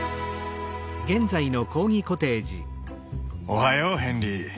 おはようヘンリー。